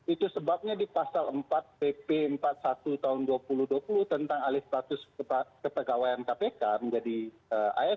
itu sebabnya di pasal empat pp empat puluh satu tahun dua ribu dua puluh tentang alih status kepegawaian kpk menjadi asn